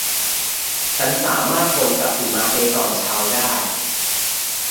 ฉันสามารถทนกับหิมะในตอนเช้าได้